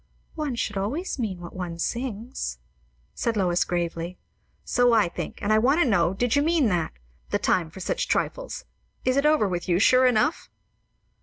"One should always mean what one sings," said Lois gravely. "So I think; and I want to know, did you mean that? 'The time for such trifles' is it over with you, sure enough?"